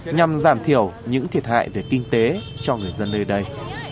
nhằm giảm thiểu những thiệt hại về kinh tế cho người dân nơi đây